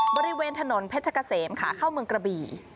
บริเวณถนนเพชรกะเสมขาเข้าเมืองกระบี่